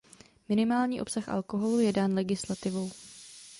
Minimální obsah alkoholu je dán legislativou.